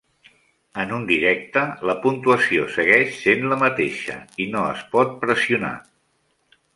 En un "directe", la puntuació segueix sent la mateixa i no es pot pressionar.